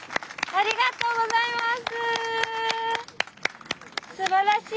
ありがとうございます。